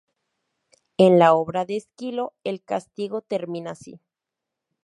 En la obra de Esquilo, el castigo termina así.